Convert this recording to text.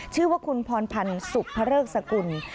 ชื่อว่าคุณพรพันธ์สุภเริกสกุล